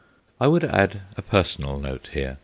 I would add a personal note here.